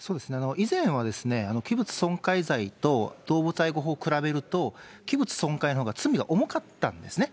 以前は器物損壊罪と、動物愛護法を比べると、器物損壊のほうが罪が重かったんですね。